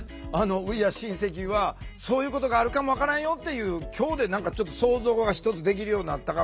Ｗｅａｒｅシンセキ！はそういうことがあるかも分からんよっていう今日で何かちょっと想像がひとつできるようになったかもしれませんね。